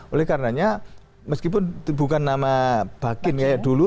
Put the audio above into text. oleh karenanya meskipun bukan nama bakin kayak dulu